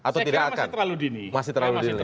saya kira masih terlalu dini